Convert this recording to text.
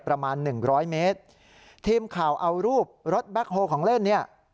ประมาณหนึ่งร้อยเมตรทีมข่าวเอารูปรถแบ็คโฮลของเล่นเนี่ย